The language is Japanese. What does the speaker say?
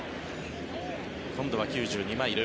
今度は９２マイル。